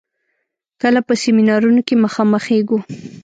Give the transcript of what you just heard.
کله په سيمينارونو کې مخامخېږو.